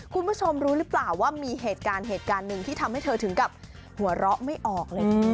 คุณผู้ชมรู้หรือเปล่าว่ามีเหตุการณ์เหตุการณ์หนึ่งที่ทำให้เธอถึงกับหัวเราะไม่ออกเลย